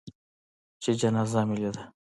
چې جنازه مې لېده.